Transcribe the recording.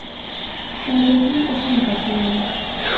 صادقی به سمتش میاد